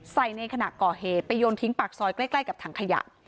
ในขณะก่อเหตุไปโยนทิ้งปากซอยใกล้กับถังขยะ